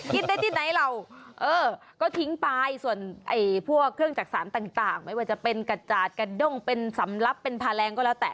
ได้ที่ไหนเหล่าเออก็ทิ้งไปส่วนพวกเครื่องจักษานต่างไม่ว่าจะเป็นกระจาดกระด้งเป็นสำลับเป็นพาแรงก็แล้วแต่